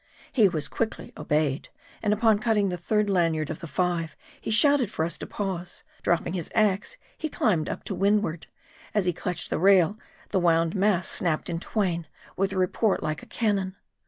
He was quickly obeyed. And upon cutting the third lanyard of the five, he shouted for us to pause. Dropping his ax, he climbed up to wind ward. As he clutched the rail, the wounded mast snapped in twain with a report like a cannon.